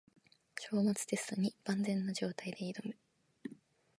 章末テストに万全の状態で挑む